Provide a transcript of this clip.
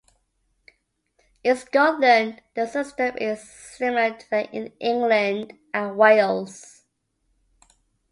In Scotland the system is similar to that in England and Wales.